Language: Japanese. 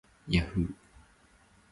yahhoo